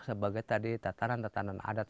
sebagai tadi tatanan tatanan adat